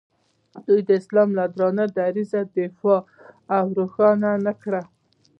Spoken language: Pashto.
دوی د اسلام له درانه دریځه دفاع او روښانه نه کړ.